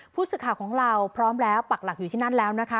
ผู้สื่อข่าวของเราพร้อมแล้วปักหลักอยู่ที่นั่นแล้วนะคะ